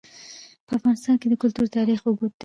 په افغانستان کې د کلتور تاریخ اوږد دی.